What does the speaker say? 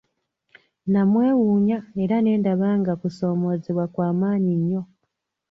Namwewuunya era ne ndaba nga kusoomoozebwa kwa maanyi nnyo.